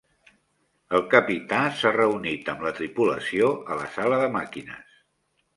El capità s'ha reunit amb la tripulació a la sala de màquines.